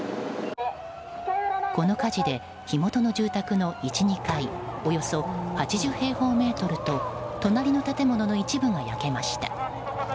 この火事で火元の住宅の１、２階およそ８０平方メートルと隣の建物の一部が焼けました。